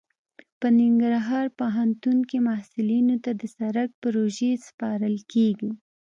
په ننګرهار پوهنتون کې محصلینو ته د سرک پروژې سپارل کیږي